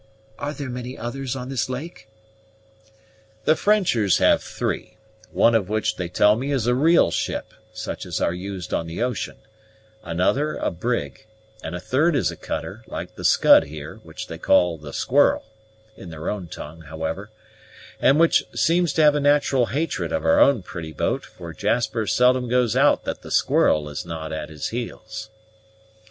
"Are there many others on this lake?" "The Frenchers have three: one of which, they tell me, is a real ship, such as are used on the ocean; another a brig; and a third is a cutter, like the Scud here, which they call the Squirrel, in their own tongue, however; and which seems to have a natural hatred of our own pretty boat, for Jasper seldom goes out that the Squirrel is not at his heels."